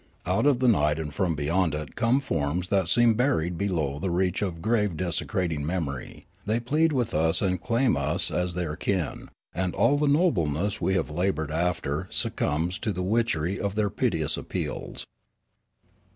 Out of the night and from beyond it come forms that seem buried below the reach of grave dese crating memory ; they plead with us and claim us as their kin, and all the nobleness we have laboured after succumbs to the witchery of their piteous appeals.